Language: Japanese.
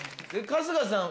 春日さん